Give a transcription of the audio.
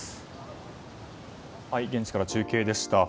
現地から中継でした。